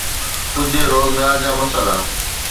ڪجهه روزگار جا مسئلا.